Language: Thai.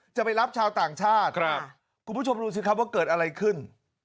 จะไปรับชาวต่างชาติคุณผู้ชมดูสิครับว่าเกิดอะไรขึ้น